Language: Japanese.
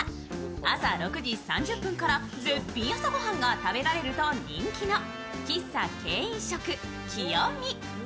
朝６時３０分から絶品朝ご飯が食べられると人気の喫茶軽飲食清史。